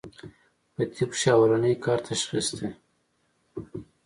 پۀ طب کښې اولنی کار تشخيص دی